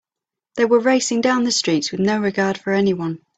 They were racing down the streets with no regard for anyone.